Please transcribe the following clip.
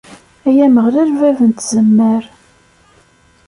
Ay Ameɣlal, bab n tzemmar.